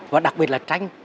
và đặc biệt là tranh